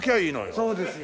そうですよ。